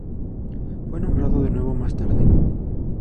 Fue nombrado de nuevo más tarde.